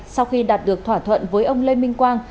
sau khi đạt được thỏa thuận với ông lê minh quang